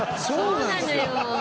そうなのよ。